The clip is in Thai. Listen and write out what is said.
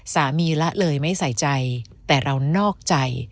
ละเลยไม่ใส่ใจแต่เรานอกใจ